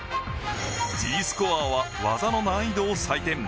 Ｄスコアは技の難易度を採点。